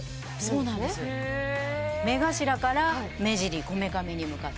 目頭から目尻こめかみに向かって。